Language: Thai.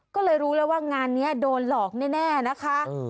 ก็เลยรู้แล้วว่างานนี้โดนหลอกแน่นะคะ